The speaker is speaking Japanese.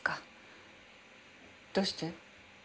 どうして？